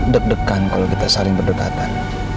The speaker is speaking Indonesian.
deg degan kalau kita saling berdekatan